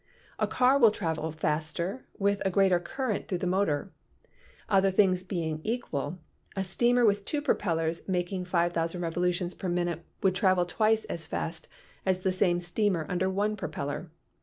A car will travel faster with a greater current through the motor. Other things being equal, a steamer with two propellers making 500 revolutions per minute would travel twice as fast as the same steamer under one propeller.